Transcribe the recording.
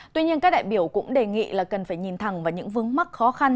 tuy nhiên các đại biểu cũng đề nghị là cần phải nhìn thẳng vào những vướng mắc khó khăn